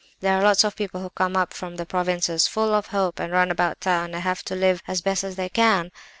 'There are lots of people who come up from the provinces full of hope, and run about town, and have to live as best they can.